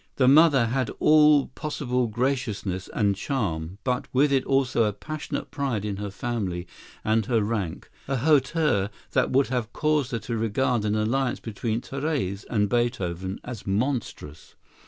The mother had all possible graciousness and charm, but with it also a passionate pride in her family and her rank, a hauteur that would have caused her to regard an alliance between Therese and Beethoven as monstrous.